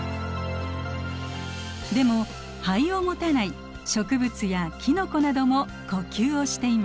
でも肺を持たない植物やキノコなども呼吸をしています。